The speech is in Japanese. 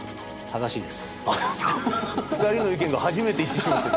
正しいです。